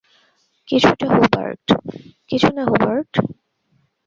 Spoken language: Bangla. কিছুনা, হুবার্ট।